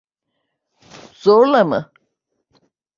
Zorla mı?